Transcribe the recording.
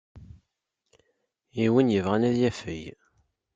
I win yebɣan ad yafeg.